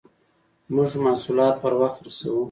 موږ محصولات پر وخت رسوو.